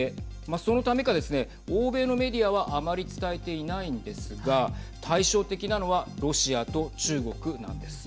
そのためかですね欧米のメディアはあまり伝えていないんですが対照的なのはロシアと中国なんです。